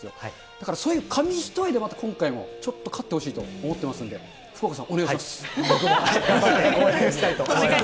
だからそういう紙一重で、今回もちょっと勝ってほしいと思ってますんで、福岡さん、お願い頑張って応援したいと思います。